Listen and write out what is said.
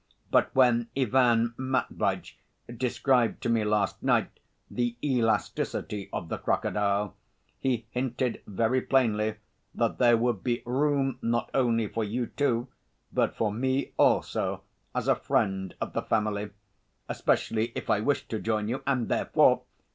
But when Ivan Matveitch described to me last night the elasticity of the crocodile, he hinted very plainly that there would be room not only for you two, but for me also as a friend of the family, especially if I wished to join you, and therefore...."